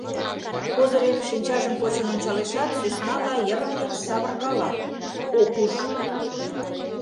Козырев шинчажым почын ончалешат, сӧснала йырым-йыр савыркала — ок уж.